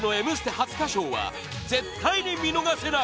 初歌唱は絶対に見逃せない！